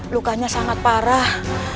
lukanya sangat parah